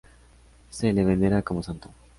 Se le venera como santo.